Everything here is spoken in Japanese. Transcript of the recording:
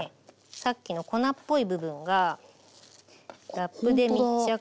さっきの粉っぽい部分がラップで密着して。